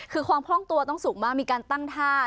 คือความคล่องตัวต้องสูงมากมีการตั้งท่า